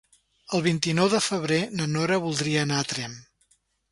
El vint-i-nou de febrer na Nora voldria anar a Tremp.